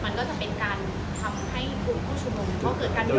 มันก็จะเป็นการทำให้บุคุชมงค์